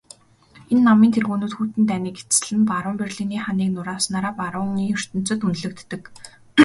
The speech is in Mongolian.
Энэ намын тэргүүнүүд хүйтэн дайныг эцэслэн баруун Берлиний ханыг нурааснаараа барууны ертөнцөд үнэлэгддэг.